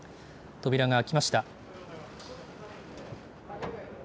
扉が開きました。